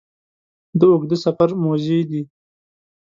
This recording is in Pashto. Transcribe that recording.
د اوږده سفر موزې دي